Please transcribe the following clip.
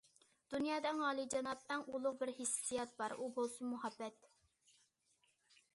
دۇنيادا ئەڭ ئالىيجاناب، ئەڭ ئۇلۇغ بىر ھېسسىيات بار، ئۇ بولسىمۇ مۇھەببەت!